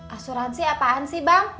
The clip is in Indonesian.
asuransi apaan sih bang